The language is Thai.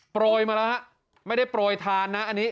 ปลอยมาแล้วละครับไม่ได้ปล่อยทานนะ